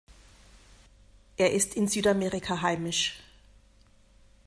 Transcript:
Er ist in Südamerika heimisch.